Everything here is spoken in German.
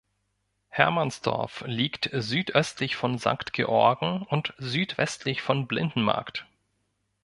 Hermannsdorf liegt südöstlich von Sankt Georgen und südwestlich von Blindenmarkt.